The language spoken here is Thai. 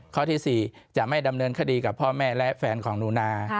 ข้อที่๔จะไม่ดำเนินคดีกับพ่อแม่และแฟนของหนูนา